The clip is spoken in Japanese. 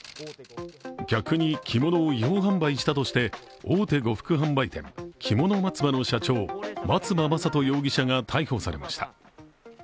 客に着物を違法販売したとして、大手呉服販売店、きもの松葉の社長、松葉将登容疑者が逮捕されました。